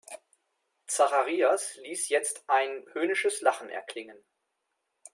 Zacharias ließ jetzt ein höhnisches Lachen erklingen.